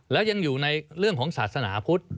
แล้วยังอยู่ในเรื่องของศาสนาพุทธ